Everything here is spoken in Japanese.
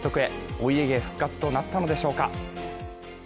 お家芸復活となったのでしょうか。